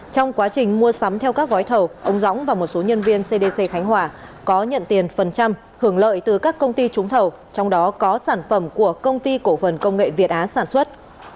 trong quá trình mua sắm theo các gói thầu ông dõng và một số nhân viên cdc khánh hòa có nhận tiền phần trăm hưởng lợi từ các công ty trúng thầu trong đó có sản phẩm của công ty cổ phần công nghệ việt á sản xuất